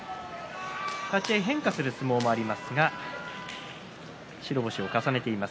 立ち合い変化する相撲もありますが白星を重ねています。